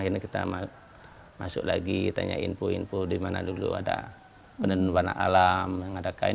akhirnya kita masuk lagi tanya info info di mana dulu ada penurun warna alam yang ada kain